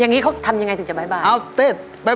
อย่างนี้เขาทำยังไงถึงจะบ๊า